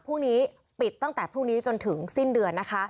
พรุ่งนี้ปิดตั้งแต่พรุ่งนี้จนถึงสิ้นเดือนนะคะ